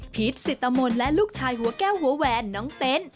สิตมนต์และลูกชายหัวแก้วหัวแหวนน้องเต็นต์